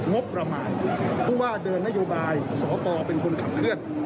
งบระมานเพราะว่าเดินนโยบายสอตเป็นคนทำเคื่อ